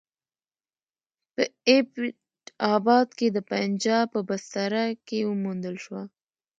په ایبټ اباد کې د پنجاب په بستره کې وموندل شوه.